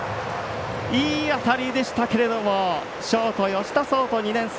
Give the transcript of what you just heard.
いい当たりでしたけれどもショート、吉田創登２年生。